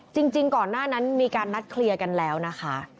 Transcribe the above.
จริงก่อนหน้านั้นมีการนัดเคลียร์กันแล้วนะคะ